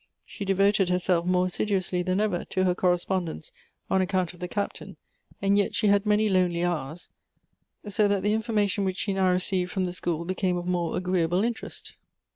She devoted herself more assidu 28 Goethe's ously than ever to her correspondence on account of the Captain ; and yet she had many lonely hours ; so that the information which she now received from the school be came of more agreeable interest.